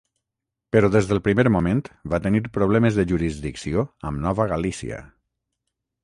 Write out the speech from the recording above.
Però des del primer moment van tenir problemes de jurisdicció amb Nova Galícia.